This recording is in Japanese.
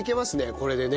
これでね。